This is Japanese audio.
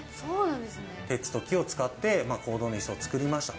鉄と木を使って講堂のいすを作りました。